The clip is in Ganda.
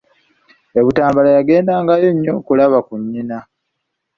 E Butambala yagendangayo nnyo okulaba ku nnyina.